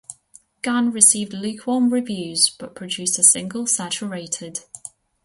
"Gone" received lukewarm reviews, but produced a single, "Saturated".